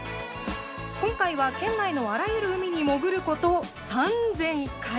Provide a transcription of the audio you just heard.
今回は県内のあらゆる海に潜ること３，０００回。